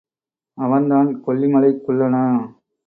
அவன் தான் கொல்லிமலைக் குள்ளனா?